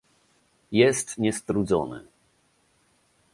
Jest niestrudzony